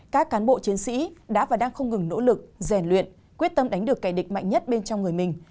các cán bộ chiến sĩ đã và đang không ngừng nỗ lực rèn luyện quyết tâm đánh được kẻ địch mạnh nhất bên trong người mình